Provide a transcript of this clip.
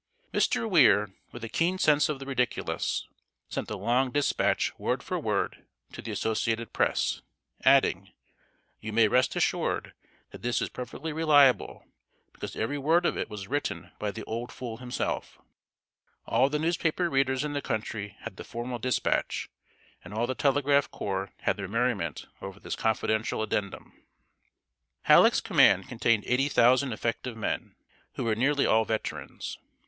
] Mr. Weir, with a keen sense of the ridiculous, sent the long dispatch word for word to the Associated Press, adding: "You may rest assured that this is perfectly reliable, because every word of it was written by the old fool himself!" All the newspaper readers in the country had the formal dispatch, and all the telegraph corps had their merriment over this confidential addendum. Halleck's command contained eighty thousand effective men, who were nearly all veterans.